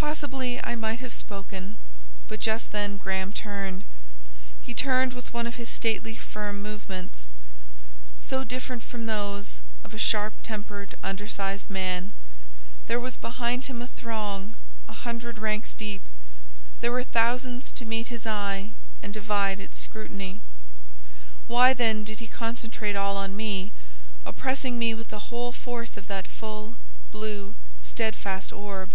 Possibly I might have spoken, but just then Graham turned; he turned with one of his stately firm movements, so different from those, of a sharp tempered under sized man: there was behind him a throng, a hundred ranks deep; there were thousands to meet his eye and divide its scrutiny—why then did he concentrate all on me—oppressing me with the whole force of that full, blue, steadfast orb?